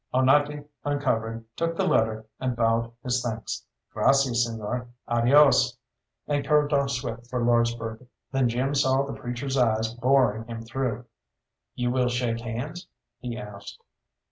Onate uncovered, took the letter, and bowed his thanks. "Gracias señor, adios!" and curved off swift for Lordsburgh. Then Jim saw the preacher's eyes boring him through. "You will shake hands?" he asked.